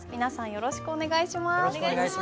よろしくお願いします。